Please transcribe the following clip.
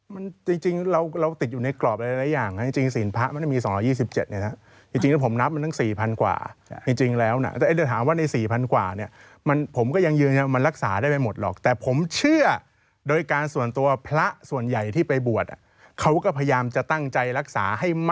เมื่อกี้มันมีหลายคำคือนี่เคยบวชไง